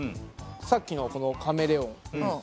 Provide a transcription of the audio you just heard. さっきのこのカメレオン。